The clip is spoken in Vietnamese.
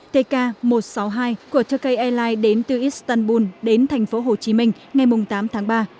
tk một trăm sáu mươi hai của turke airlines đến từ istanbul đến thành phố hồ chí minh ngày tám tháng ba